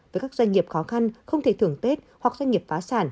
với các doanh nghiệp khó khăn không thể thưởng tết hoặc doanh nghiệp phá sản